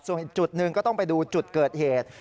ส่วนอีกจุดหนึ่งก็ต้องไปดูจุดเกิดเหตุ